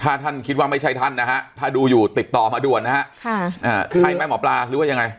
ถ้าท่านคิดว่าไม่ใช่ท่านนะฮะถ้าดูอยู่ติดต่อมาด่วนนะฮะใช่ไหมหมอปลาหรือว่ายังไง